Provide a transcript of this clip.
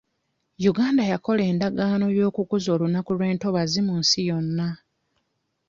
Uganda yakola endagaano y'okukuza olunaku lw'entobazi mu nsi yonna.